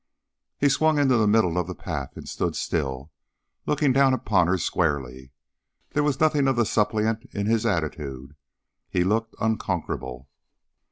He swung into the middle of the path and stood still, looking down upon her squarely. There was nothing of the suppliant in his attitude. He looked unconquerable.